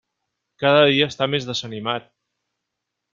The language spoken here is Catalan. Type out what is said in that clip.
Cada dia està més desanimat.